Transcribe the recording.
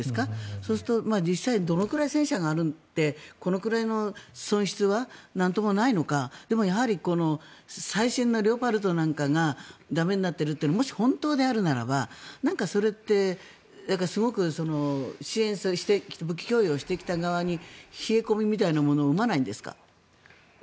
そうすると実際どれくらい戦車があってこのくらいの損失はなんともないのかでもやはり、最新のレオパルトなんかが駄目になっているというのがもし本当であるならばなんか、それって武器供与してきた側に冷え込みみたいなものを生まないんですか？